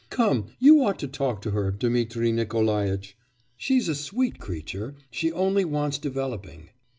Come, you ought to talk to her, Dmitri Nikolaitch; she's a sweet creature. She only wants developing.